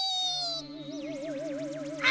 あ！